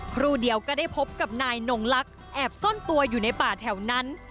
ครูเดียวก็ได้พบกับนายนงลักษณ์แอบซ่อนตัวอยู่ในป่าแถวนั้น